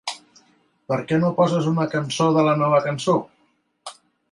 Per què no poses una cançó de la Nova Cançó?